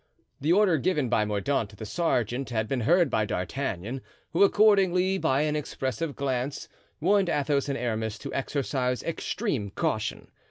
The order given by Mordaunt to the sergeant had been heard by D'Artagnan, who accordingly, by an expressive glance, warned Athos and Aramis to exercise extreme caution.